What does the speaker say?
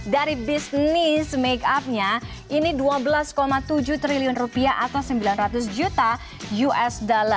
dari bisnis make up nya ini dua belas tujuh triliun rupiah atau sembilan ratus juta usd